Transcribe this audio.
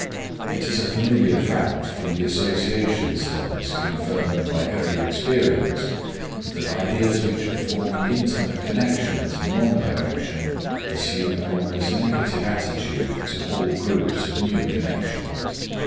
It is a familiar fact from the association studies confirmed by every experience, that ideas which have formed intimate connections in one direction assume an almost negative attitude to whole groups of new connections.